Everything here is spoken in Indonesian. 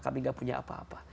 kami gak punya apa apa